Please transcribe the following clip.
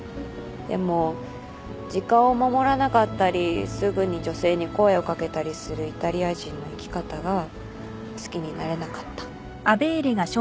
でも時間を守らなかったりすぐに女性に声を掛けたりするイタリア人の生き方が好きになれなかった。